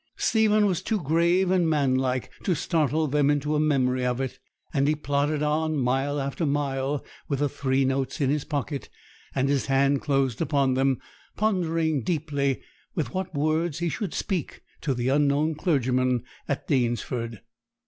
Stephen was too grave and manlike to startle them into memory of it, and he plodded on mile after mile with the three notes in his pocket and his hand closed upon them, pondering deeply with what words he should speak to the unknown clergyman at Danesford.